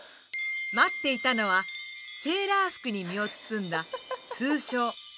待っていたのはセーラー服に身を包んだ通称セーラちゃん。